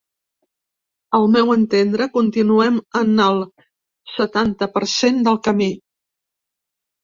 Al meu entendre, continuem en el setanta per cent del camí.